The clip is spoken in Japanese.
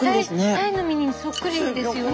タイの身にそっくりですよね。